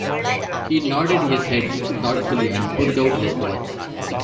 He nodded his head thoughtfully, and pulled out his watch.